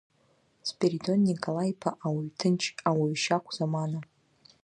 Спиридон Николаи-иԥа ауаҩ ҭынч, ауаҩ шьахә замана.